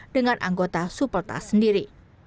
dengan anggota supeltas sendiri